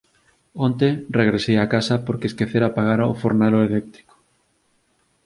Onte regresei a casa porque esquecera apagar o fornelo eléctrico.